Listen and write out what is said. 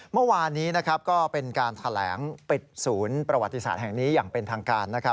เมื่อวานนี้ก็เป็นการแถลงปิดศูนย์ประวัติศาสตร์แห่งนี้อย่างเป็นทางการนะครับ